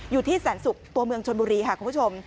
อยู่ที่แสนศุกร์ตัวเมืองชนบุรีค่ะคุณผู้ชม